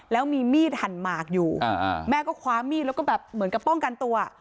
แล้วมีมีดหั่นหมากอยู่แม่ก็คว้ามีดแล้วก็แบบเหมือนกับป้องกันตัว